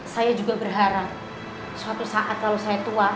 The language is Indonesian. saya juga berharap suatu saat lalu saya tua